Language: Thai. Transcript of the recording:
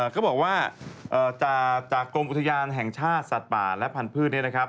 เขาบอกว่าจากกรมอุทยานแห่งชาติสัตว์ป่าและพันธุ์เนี่ยนะครับ